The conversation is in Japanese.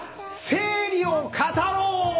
「生理を語ろう！」